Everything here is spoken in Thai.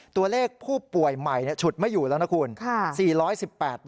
ตัวเลขผู้ป่วยใหม่ฉุดไม่อยู่แล้วนะคุณ